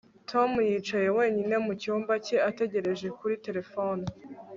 Tom yicaye wenyine mu cyumba cye ategereje kuri terefone